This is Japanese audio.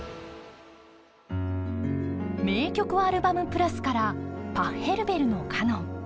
「名曲アルバム＋」から「パッヘルベルのカノン」。